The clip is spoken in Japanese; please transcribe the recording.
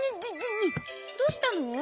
どうしたの？